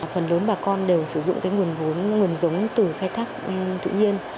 phần lớn bà con đều sử dụng nguồn giống từ khai thác tự nhiên